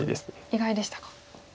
意外でしたか。